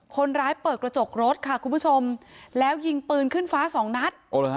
คนร้ายเปิดกระจกรถค่ะคุณผู้ชมแล้วยิงปืนขึ้นฟ้าสองนัด